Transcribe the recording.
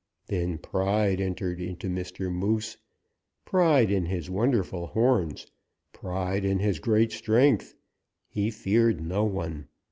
Then pride entered into Mr. Moose; pride in his wonderful horns; pride in his great strength. He feared no one.